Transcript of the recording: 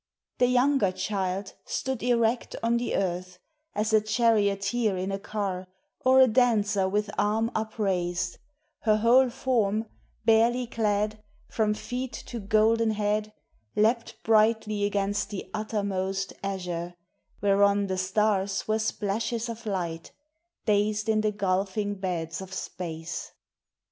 The younger child stood erect on the Earth As a charioteer in a car Or a dancer with arm upraised; Her whole form barely clad From feet to golden head Leapt brightly against the uttermost azure, Whereon the stars were splashes of light Dazed in the gulfing beds of space.